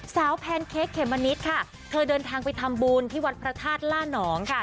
แพนเค้กเขมมะนิดค่ะเธอเดินทางไปทำบุญที่วัดพระธาตุล่านองค่ะ